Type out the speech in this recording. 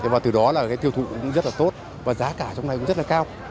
và từ đó là cái tiêu thụ cũng rất là tốt và giá cả trong này cũng rất là cao